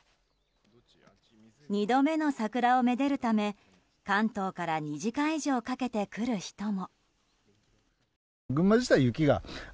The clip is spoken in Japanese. ２度目の桜をめでるため関東から２時間以上かけて来る人も。